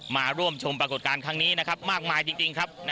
มาร่วมชมปรากฏการณ์ครั้งนี้นะครับมากมายจริงครับ